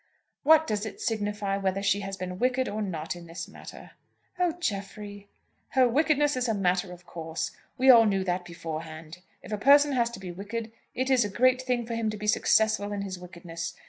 "What does it signify whether she has been wicked or not in this matter?" "Oh, Jeffrey!" "Her wickedness is a matter of course. We all knew that beforehand. If a person has to be wicked, it is a great thing for him to be successful in his wickedness.